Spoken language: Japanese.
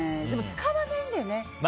でも、使わないんだよね。